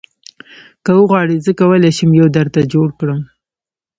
که وغواړې زه کولی شم یو درته جوړ کړم